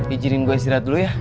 izinin gue istirahat dulu ya